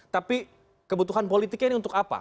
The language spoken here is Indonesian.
tapi kebutuhan politiknya ini untuk apa